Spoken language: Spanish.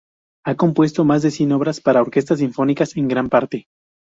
Ha compuesto más de cien obras para orquestas sinfónicas en gran parte.